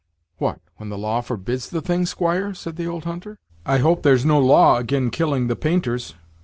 "What! when the law forbids the thing, squire!" said the old hunter, "I hope there's no law agin' killing the painters."